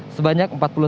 atau bahkan tanpa gejala